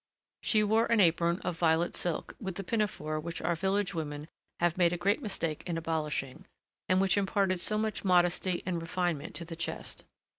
She wore an apron of violet silk, with the pinafore which our village women have made a great mistake in abolishing, and which imparted so much modesty and refinement to the chest.